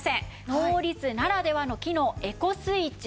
ノーリツならではの機能エコスイッチです。